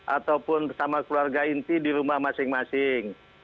ataupun bersama keluarga inti di rumah masing masing